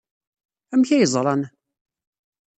Amek ay ẓran?